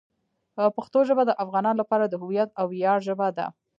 پښتو ژبه د افغانانو لپاره د هویت او ویاړ ژبه ده.